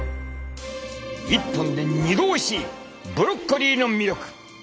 １本で２度おいしいブロッコリーの魅力。